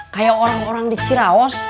kayak orang orang di cirawas